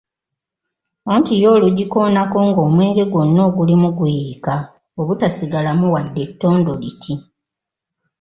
Anti yo olugikoonako ng’omwenge gwonna ogulimu guyiika obutasigalamu wadde ettondo liti!